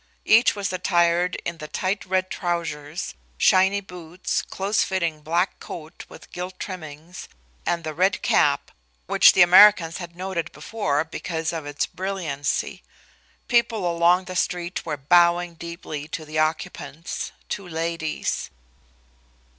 Each was attired in the tight red trousers, shiny boots, close fitting black coat with gilt trimmings, and the red cap which the Americans had noted before because of its brilliancy. People along the street were bowing deeply to the occupants, two ladies.